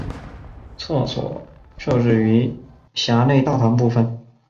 厕所设置于闸内大堂部分。